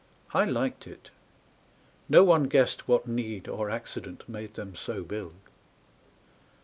I liked it. No one guessed What need or accident made them so build.